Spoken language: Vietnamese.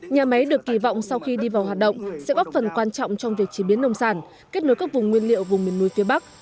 nhà máy được kỳ vọng sau khi đi vào hoạt động sẽ góp phần quan trọng trong việc chế biến nông sản kết nối các vùng nguyên liệu vùng miền núi phía bắc